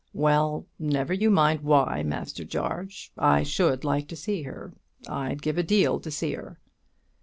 "Well, never you mind why, Master Jarge; I should like to see her; I'd give a deal to see her."